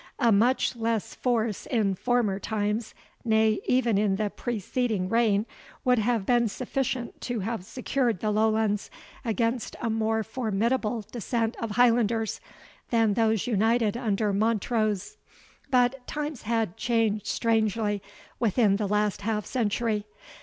A much less force in former times, nay, even in the preceding reign, would have been sufficient to have secured the Lowlands against a more formidable descent of Highlanders, than those united under Montrose; but times had changed strangely within the last half century.